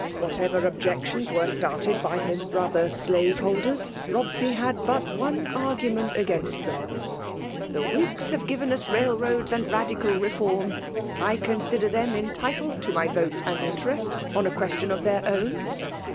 Whatever objections were started by Ms brother slaveholders, Bobsey had but one argument against them :—' The Whigs have given us railroads and Badical reform; I consider them entitled to my vote and ifl^ terest, on a qoe^n of thair ^wn